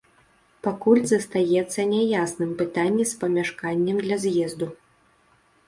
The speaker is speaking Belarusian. Пакуль застаецца няясным пытанне з памяшканнем для з'езду.